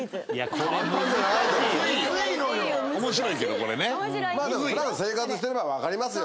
まあでも普段生活してればわかりますよ。